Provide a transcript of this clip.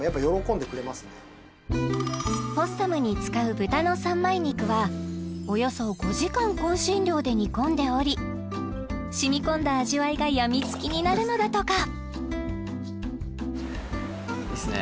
ポッサムに使う豚の三枚肉はおよそ５時間香辛料で煮込んでおり染みこんだ味わいがやみつきになるのだとかいいっすね